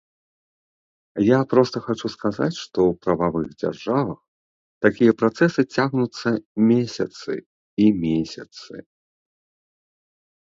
Я проста хачу сказаць, што ў прававых дзяржавах такія працэсы цягнуцца месяцы і месяцы.